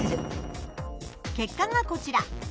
結果がこちら。